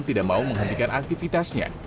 tidak mau menghentikan aktivitasnya